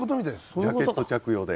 ジャケット着用で。